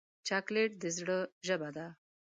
چاکلېټ د زړه ژبه ده.